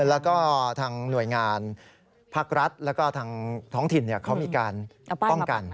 แล้วก็ทางหน่วยงานภาครัฐแล้วก็ทางท้องถิ่นเขามีการป้องกัน